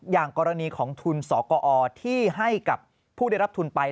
อย่างกรณีของทุนสกอที่ให้กับผู้ได้รับทุนไป